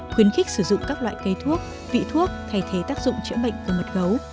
khuyến khích sử dụng các loại cây thuốc vị thuốc thay thế tác dụng chữa bệnh của mật gấu